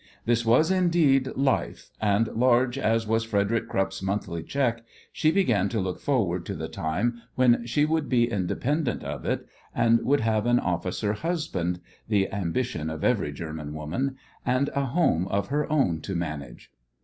This was, indeed, life, and, large as was Frederick Krupp's monthly cheque, she began to look forward to the time when she would be independent of it, and would have an officer husband the ambition of every German woman and a home of her own to manage.